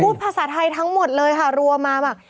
ภาษาไทยทั้งหมดเลยค่ะรัวมาแบบ